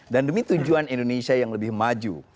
dan demi tujuan indonesia yang lebih maju